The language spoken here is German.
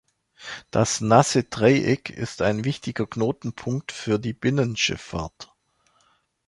Das Nasse Dreieck ist ein wichtiger Knotenpunkt für die Binnenschifffahrt.